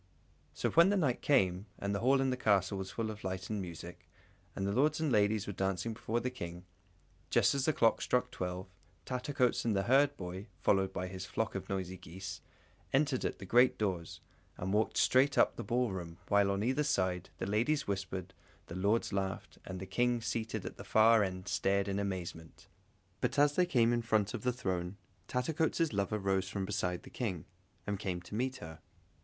So when night came, and the hall in the castle was full of light and music, and the lords and ladies were dancing before the King, just as the clock struck twelve, Tattercoats and the herdboy, followed by his flock of noisy geese, entered at the great doors, and walked straight up the ball room, while on either side the ladies whispered, the lords laughed, and the King seated at the far end stared in amazement. But as they came in front of the throne, Tattercoats' lover rose from beside the King, and came to meet her.